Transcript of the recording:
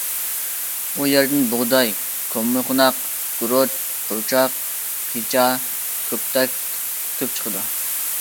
ئۇ يەردىن بۇغداي، كۆممىقوناق، گۈرۈچ، پۇرچاق، قىچا، كۆكتات كۆپ چىقىدۇ.